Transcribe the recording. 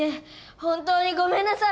本当にごめんなさい。